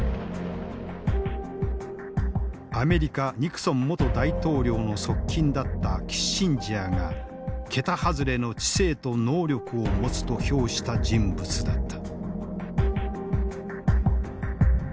アメリカニクソン元大統領の側近だったキッシンジャーが桁外れの知性と能力を持つと評した人物だった。